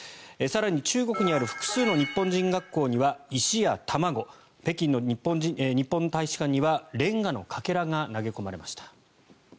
更に、中国にある複数の日本人学校には石や卵北京の日本大使館にはレンガのかけらが投げ込まれました。